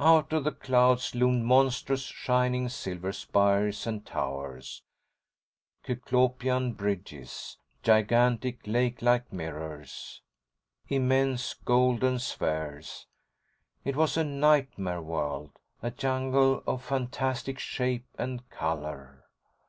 Out of the clouds loomed monstrous, shining, silver spires and towers, Cyclopean bridges, gigantic lake like mirrors, immense golden spheres. It was a nightmare world, a jungle of fantastic shape and color.